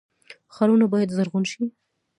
ښارونه باید زرغون شي